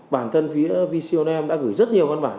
bản thân phía vcnm đã gửi rất nhiều văn bản